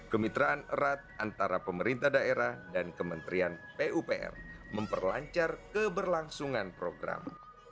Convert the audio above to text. kemitraan erat antara pemerintah daerah dan kementerian pupr memperlancar keberlangsungan program